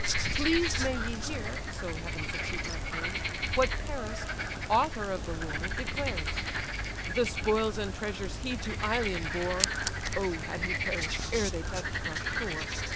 Pleased may ye hear (so heaven succeed my prayers) What Paris, author of the war, declares. The spoils and treasures he to Ilion bore (Oh had he perish'd ere they touch'd our shore!)